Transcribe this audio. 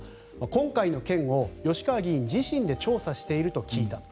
今回の件を吉川議員自身で調査していると聞いたと。